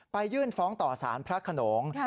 ยื่นฟ้องต่อสารพระขนง